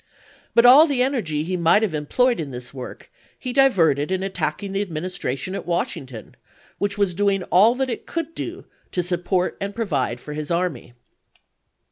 But all the energy he might have employed in this work he diverted in attacking the Administration at Washington, which was doing all that it could do to support and pro vide for his army.